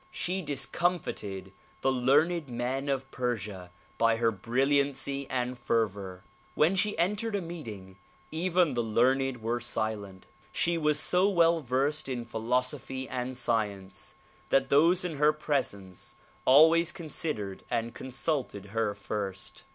She discomfited the learned men of Persia by her brilliancy and fervor. When she entered a meeting even the learned were silent. She was so well versed in philosophy and science that those in her presence always considered and consulted her first.